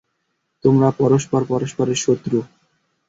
তোমরা পরস্পর পরস্পরের শত্রু।